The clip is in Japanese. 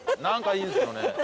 何かいいですよね。